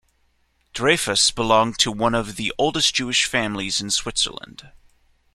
Dreifuss belongs to one of the oldest Jewish families in Switzerland.